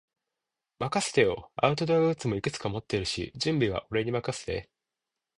任せてよ。アウトドアグッズもいくつか持ってるし、準備は俺に任せて。